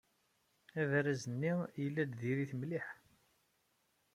Abaraz-nni yella-d diri-t mliḥ.